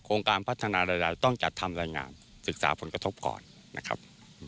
การพัฒนารายได้ต้องจัดทำรายงานศึกษาผลกระทบก่อนนะครับ